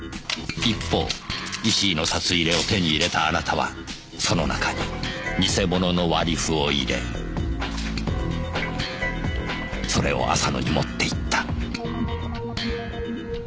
一方石井の札入れを手に入れたあなたはその中に偽物の割り符を入れそれを浅野に持って行った。